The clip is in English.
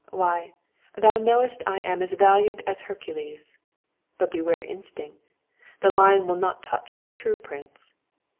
Why, thou knowest I am as valiant as Hercules; but beware instinct; the lion will not touch the true prince.